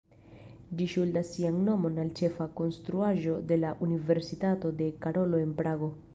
Ĝi ŝuldas sian nomon al ĉefa konstruaĵo de la Universitato de Karolo en Prago.